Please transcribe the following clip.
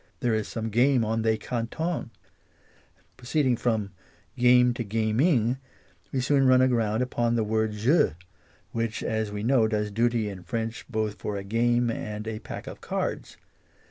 There is some game on they cantons." Pro ceeding from " game " to " gaming " we soon run aground upon the word "jeu," which as we know does duty in French both for a game and a pack of cards.